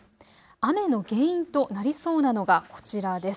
雨の原因となりそうなのがこちらです。